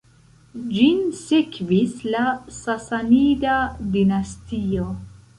Ĝin sekvis la Sasanida dinastio.